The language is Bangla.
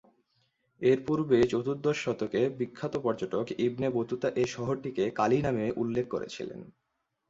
এরপূর্বে চতুর্দশ শতকে বিখ্যাত পর্যটক ইবনে বতুতা এ শহরটিকে ‘কালি’ নামে উল্লেখ করেছিলেন।